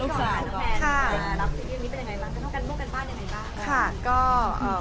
เรื่องนี้ก่อนค่ะน้องแพนรับซีรีส์วันนี้เป็นยังไงรับกันพวกกันบ้านยังไงบ้าง